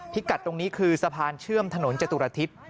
กัดตรงนี้คือสะพานเชื่อมถนนจตุรทิศ